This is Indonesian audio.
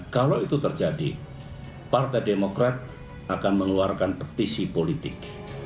kalau itu terjadi partai demokrat akan mengeluarkan petisi politik